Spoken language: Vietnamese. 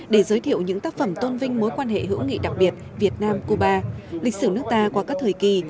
để giới thiệu những tác phẩm tôn vinh mối quan hệ hữu nghị đặc biệt việt nam cuba lịch sử nước ta qua các thời kỳ